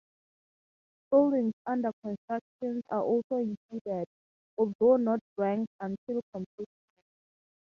Buildings under construction are also included, although not ranked until completion.